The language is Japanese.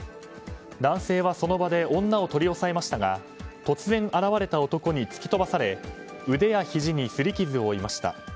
男性はその場で女を取り押さえましたが突然現れた男に突き飛ばされ腕やひじに擦り傷を負いました。